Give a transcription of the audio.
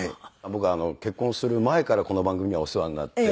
僕結婚する前からこの番組にはお世話になって。